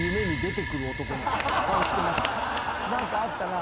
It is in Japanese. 何かあったな。